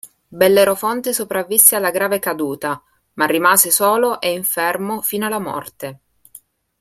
Bellerofonte sopravvisse alla grave caduta, ma rimase solo e infermo fino alla morte.